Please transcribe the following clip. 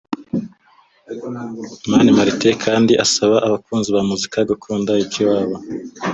Mani Martin kandi asaba abakunzi ba muzika gukunda iby’iwabo